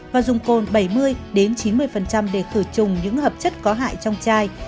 và dùng cồn bảy mươi chín mươi để khử trùng những hợp chất có hại trong chai